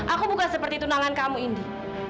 aku bukan seperti tunangan kamu ini